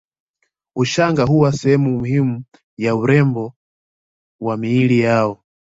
Ushanga huwa sehemu muhimu ya urembesho wa miili yao